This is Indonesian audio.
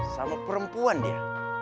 sama perempuan dia